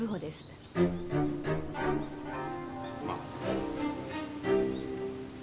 まあ。